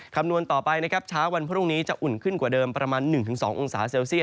คำนวณต่อไปนะครับเช้าวันพรุ่งนี้จะอุ่นขึ้นกว่าเดิมประมาณ๑๒องศาเซลเซียต